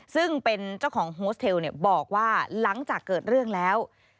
ซึ่งเป็นเจ้าของโฮสเทลบอกว่าหลังจากเกิดเรื่องแล้ว